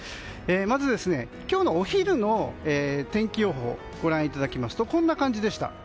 まず今日のお昼の天気予報ご覧いただきますとこんな感じでした。